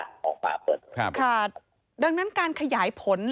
และก็สปอร์ตเรียนว่าคำน่าจะมีการล็อคกรมการสังขัดสปอร์ตเรื่องหน้าในวงการกีฬาประกอบสนับไทย